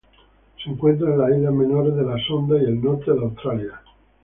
Se encuentra en las islas menores de la Sonda y el norte de Australia.